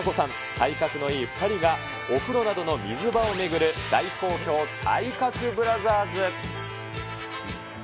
体格のいい２人がお風呂などの水場を巡る大好評、体格ブラザーズ。